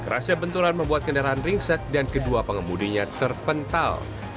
rasa benturan membuat kendaraan ringset dan kedua pengemudinya terpental